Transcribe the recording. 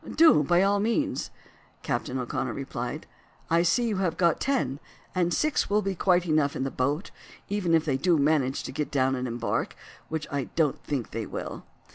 "Do, by all means," Captain O'Connor replied. "I see you have got ten, and six will be quite enough in the boat, even if they do manage to get down and embark, which I don't think they will.